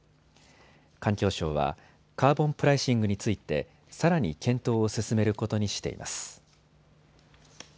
環境省はカーボンプライシングについてさらに検討を進めることにしています。